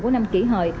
của năm kỷ hội